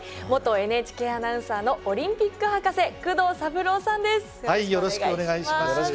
元ＮＨＫアナウンサーのオリンピック博士工藤三郎さんです。